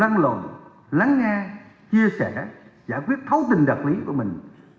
lăn lộn lắng nghe chia sẻ giải quyết thấu tình đặc lý của mình